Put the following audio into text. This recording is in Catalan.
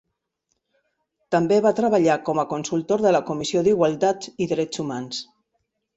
També va treballar com a consultor de la Comissió d'Igualtat i Drets Humans.